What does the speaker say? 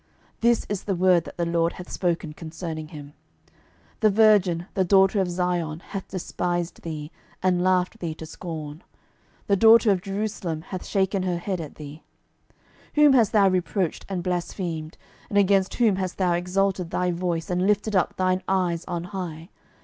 12:019:021 This is the word that the LORD hath spoken concerning him; The virgin the daughter of Zion hath despised thee, and laughed thee to scorn; the daughter of Jerusalem hath shaken her head at thee. 12:019:022 Whom hast thou reproached and blasphemed? and against whom hast thou exalted thy voice, and lifted up thine eyes on high?